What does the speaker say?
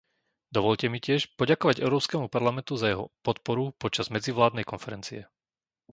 Dovoľte mi tiež poďakovať Európskemu parlamentu za jeho podporu počas medzivládnej konferencie.